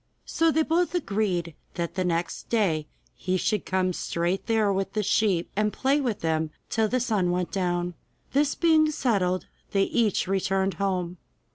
So they both agreed that the next day he should come straight there with the sheep, and play to them till the sun went down. This being settled, they each returned home.